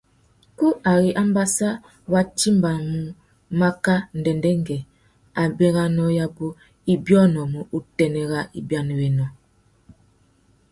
Kú ari ambassa wá timbamú maka ndêndêngüê, abérénô yabú i biônômú utênê râ ibianawénô.